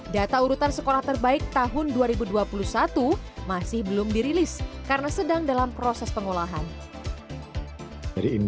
data urutan sekolah terbaik tahun dua ribu dua puluh satu masih belum dirilis karena sedang dalam proses pengolahan